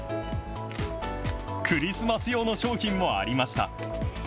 クリスマス用の商品もありました。